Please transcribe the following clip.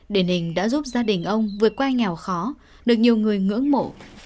đền hình đã giúp gia đình ông vượt qua nghèo khó được nhiều người ngưỡng mộ